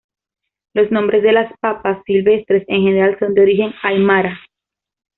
Los nombres de las papas silvestres en general son de origen aymara.